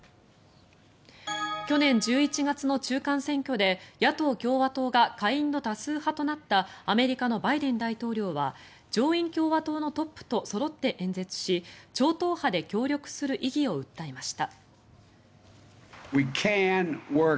去年１１月の中間選挙で野党・共和党が下院の多数派となったアメリカのバイデン大統領は上院共和党のトップとそろって演説し超党派で協力する意義を訴えました。